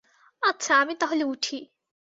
আচ্ছা, আমি তাহলে উঠি।